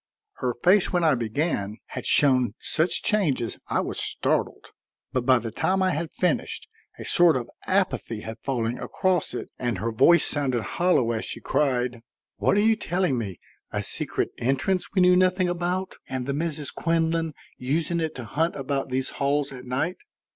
Her face, when I began, had shown such changes I was startled; but by the time I had finished a sort of apathy had fallen across it and her voice sounded hollow as she cried: "What are you telling me? A secret entrance we knew nothing about and the Misses Quinlan using it to hunt about these halls at night!